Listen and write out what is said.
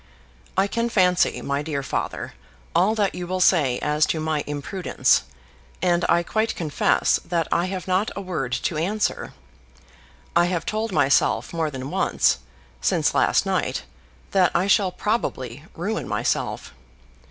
I can fancy, my dear father, all that you will say as to my imprudence, and I quite confess that I have not a word to answer. I have told myself more than once, since last night, that I shall probably ruin myself.